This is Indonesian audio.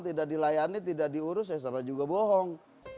tidak dilayani tidak diurus ya sama juga bohong